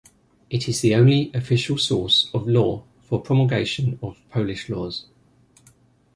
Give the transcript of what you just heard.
It is the only official source of law for promulgation of Polish laws.